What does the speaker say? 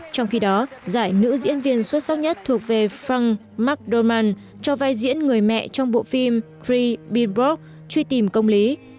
trong khi đó giải nữ diễn viên xuất sắc nhất thuộc về frank mcdormand cho vai diễn người mẹ trong bộ phim cree binbrock chuy tìm công lý